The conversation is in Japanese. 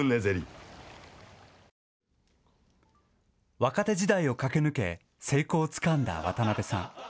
若手時代を駆け抜け成功をつかんだ渡辺さん。